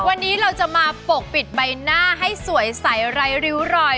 วันนี้เราจะมาปกปิดใบหน้าให้สวยใสไร้ริ้วรอย